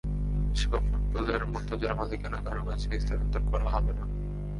বিশ্বকাপ ফুটবলের মতো যার মালিকানা কারও কাছে হস্তান্তর করা হবে না।